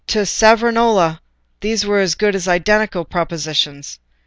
To Savonarola these were as good as identical propositions.